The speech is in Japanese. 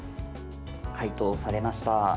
解凍されました。